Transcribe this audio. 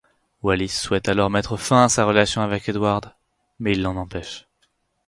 Wallis souhaite alors mettre fin à sa relation avec Edward, mais il l'en empêche.